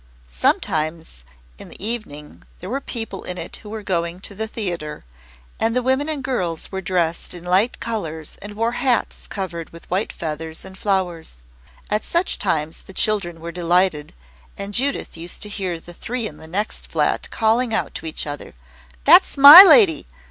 Sometimes in the evening there were people in it who were going to the theatre, and the women and girls were dressed in light colours and wore hats covered with white feathers and flowers. At such times the children were delighted, and Judith used to hear the three in the next flat calling out to each other, "That's MY lady!